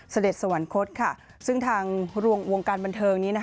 เสด็จสวรรคตซึ่งทางวงการบันเทิงนี้